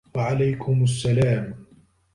و عليكم السلام